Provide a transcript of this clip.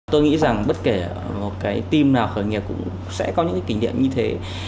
tôi nghĩ rằng bất kể một cái team nào khởi nghiệp cũng sẽ có những cái kinh nghiệm như thế